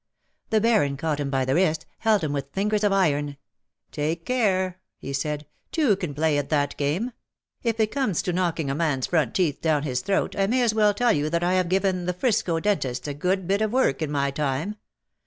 The Baron caught him by the wrist — held him with fingers of iron. '^ Take care/' he said. " Two can play at that game. If it comes to knocking a man's front teeth down his throat J may as well tell you that I have given the 'Frisco dentists a good bit of work in my time.